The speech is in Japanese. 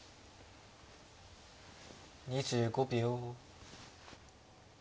２５秒。